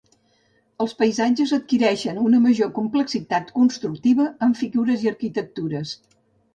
Els paisatges adquireixen una major complexitat constructiva amb figures i arquitectures.